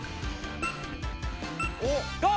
おっ！